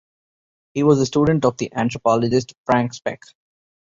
He was a student of the anthropologist Frank Speck.